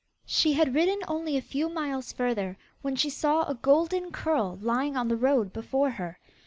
She had ridden only a few miles further, when she saw a golden curl lying on the road before her.